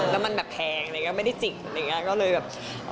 แล้วมันแบบแพงไม่ได้จิบ